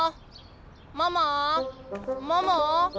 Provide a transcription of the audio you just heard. ママママ。